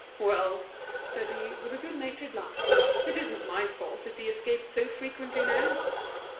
"Well," said he, with a good natured laugh, "it isn't my fault if he escapes so frequently now.